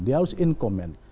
dia harus in komen